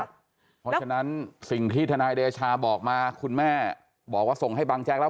เพราะฉะนั้นสิ่งที่ทนายเดชาบอกมาคุณแม่บอกว่าส่งให้บังแจ๊กแล้ว